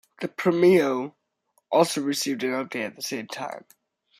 The Premio also received an update at the same time.